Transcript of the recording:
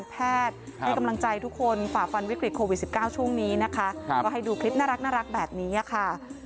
เพราะให้ดูคลิปน่ารักแบบนี้ค่ะ